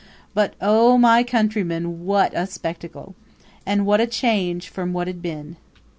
But oh, my countrymen, what a spectacle! And what a change from what had been!